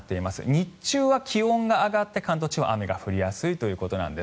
日中は気温が上がって関東地方雨が降りやすいということです。